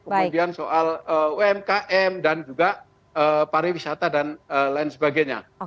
kemudian soal umkm dan juga pariwisata dan lain sebagainya